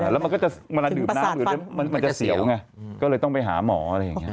แล้วมันก็จะเวลาดื่มน้ำอยู่แล้วมันจะเสียวไงก็เลยต้องไปหาหมออะไรอย่างนี้